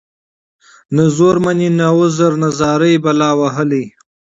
نه زور مــني نه عـذر نـه زارۍ بلا وهـلې.